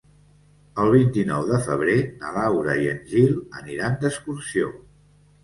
El vint-i-nou de febrer na Laura i en Gil aniran d'excursió.